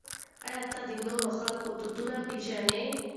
آیا ته د نورو خلکو دودونه پېژنې؟